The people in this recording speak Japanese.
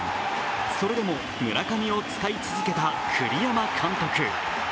それでも村上を使い続けた栗山監督。